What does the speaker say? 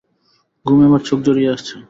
ঘুমে আমার চোখ জড়িয়ে আসছে।